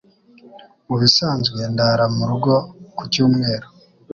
Mubisanzwe, ndara murugo ku cyumweru.